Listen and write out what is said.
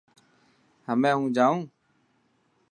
همي هون جائون.